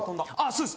そうです！